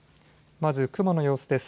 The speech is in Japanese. まず雲の様子です。